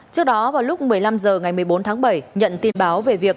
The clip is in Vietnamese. trước đó vào lúc một mươi năm h ngày một mươi bốn tháng bảy nhận tin báo về việc